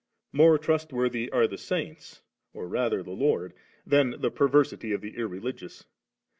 More trustworthy are the saints, or rather the Lord, than the pervers ity of the irreligious.